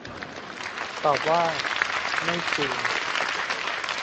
ตอบว่า ไม่จริง